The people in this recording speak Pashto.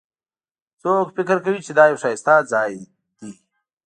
څوک فکر کوي چې دا یو ښایسته ځای ده